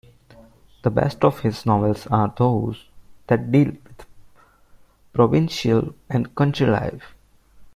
The best of his novels are those that deal with provincial and country life.